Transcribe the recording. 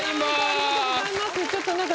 ありがとうございます。